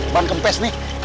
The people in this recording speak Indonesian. bang kempes nih